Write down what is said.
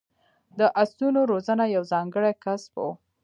د اسونو روزنه یو ځانګړی کسب و